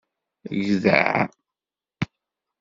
Gdeɛ.